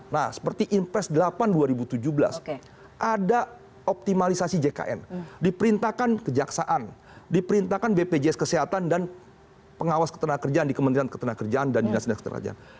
nah seperti impres delapan dua ribu tujuh belas ada optimalisasi jkn diperintahkan kejaksaan diperintahkan bpjs kesehatan dan pengawas ketenagakerjaan di kementerian ketenagakerjaan dan dinas dinas ketenagakerjaan